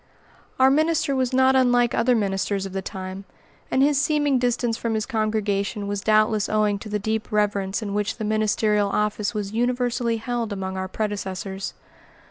Our minister was not unlike other ministers of the time, and his seeming distance from his congregation was doubtless owing to the deep reverence in which the ministerial office was universally held among our predecessors.